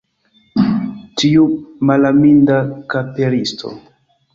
Tiu malaminda kaperisto!